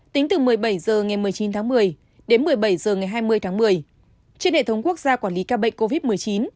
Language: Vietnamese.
tính từ một mươi bảy h ngày một mươi chín tháng một mươi đến một mươi bảy h ngày hai mươi tháng một mươi trên hệ thống quốc gia quản lý ca bệnh covid một mươi chín